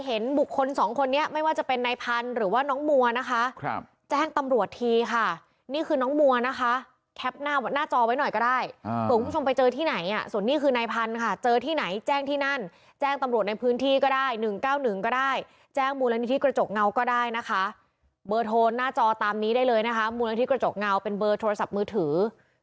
หน้าจอตามนี้ได้เลยนะคะมูลงานที่กระจกเงาเป็นเบอร์โทรศัพท์มือถือ๐๘๐๗๗๕๒๖๗๓